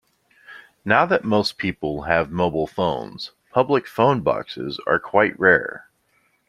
Now that most people have mobile phones, public phone boxes are quite rare